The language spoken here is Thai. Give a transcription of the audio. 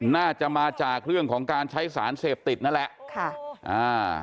น่าจะมาจากเรื่องของการใช้สารเสพติดนั่นแหละค่ะอ่า